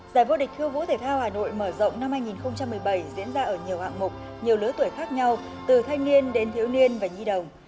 giải vô địch thương vũ thể thao hà nội mở rộng năm hai nghìn một mươi bảy diễn ra ở nhiều hạng mục nhiều lứa tuổi khác nhau từ thanh niên đến thiếu niên và nhi đồng